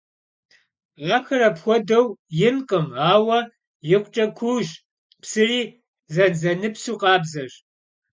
Axer apxuedeu yinkhım, aue yikhuç'e kuuş, psıri zenzenıpsu khabzeş.